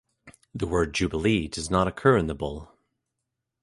The word "jubilee" does not occur in the bull.